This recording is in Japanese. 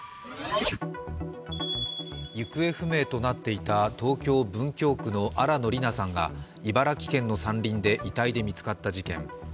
行方不明となっていた東京・文京区の新野りなさんが茨城県の山林で遺体で見つかった事件。